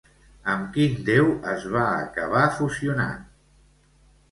Amb quin déu es va acabar fusionant?